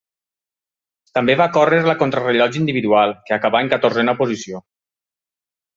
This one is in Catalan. També va córrer la contrarellotge individual, que acabà en catorzena posició.